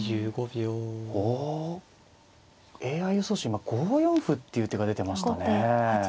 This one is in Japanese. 今５四歩っていう手が出てましたね。